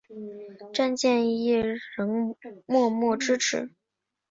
詹建业仍默默支持。